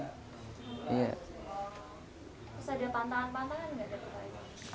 terus ada pantangan pantangan nggak diperbaiki